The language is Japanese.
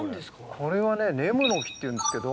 これはねネムノキっていうんですけど。